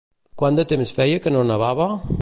Quant de temps feia que no nevava?